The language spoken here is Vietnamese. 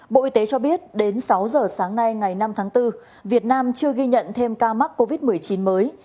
bộ y tế cho biết đến sáu giờ sáng nay ngày năm tháng bốn việt nam chưa ghi nhận thêm ca mắc covid một mươi chín mới